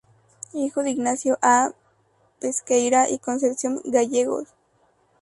Hijo de Ignacio A. Pesqueira y Concepción Gallegos.